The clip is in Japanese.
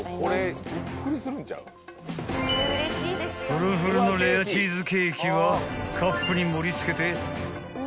［ふるふるのレアチーズケーキはカップに盛り付けて］